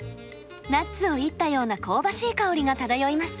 ナッツをいったような香ばしい香りが漂います。